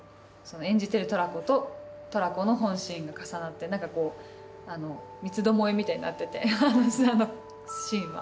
演じてるトラコとトラコの本心が重なって三つどもえみたいになっててあのシーンは。